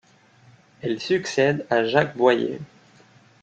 Elle succède à Jacques Boyer.